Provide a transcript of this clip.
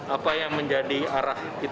apa yang menjadi arah kita